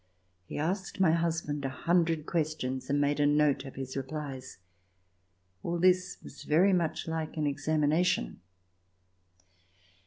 He asked my husband a hundred questions and made a note of his replies. All this was very much like an examination.